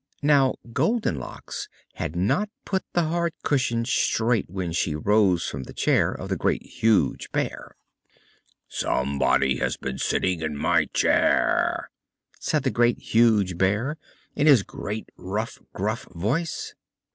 Now Goldenlocks had not put the hard cushion straight when she rose from the chair of the Great, Huge Bear. "SOMEBODY HAS BEEN SITTING IN MY CHAIR!" said the Great, Huge Bear, in his great, rough, gruff voice.